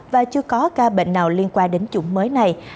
và chưa có ca bệnh nào liên quan đến chủng mới này